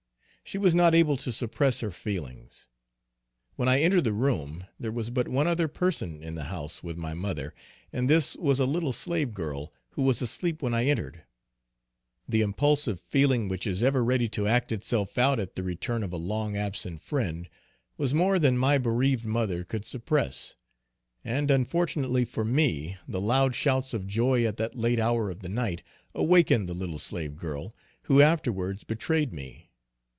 She was not able to suppress her feelings. When I entered the room, there was but one other person in the house with my mother, and this was a little slave girl who was asleep when I entered. The impulsive feeling which is ever ready to act itself out at the return of a long absent friend, was more than my bereaved mother could suppress. And unfortunately for me, the loud shouts of joy at that late hour of the night, awakened the little slave girl, who afterwards betrayed me.